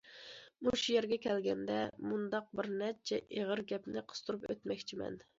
مۇشۇ يەرگە كەلگەندە، مۇنداق بىر نەچچە ئېغىز گەپنى قىستۇرۇپ ئۆتمەكچىمەن.